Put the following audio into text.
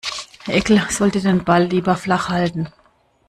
Herr Eckel sollte den Ball lieber flach halten.